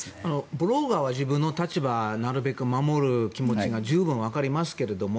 ブロガーは自分の立場をなるべく守るというのが十分、分かりますけれども。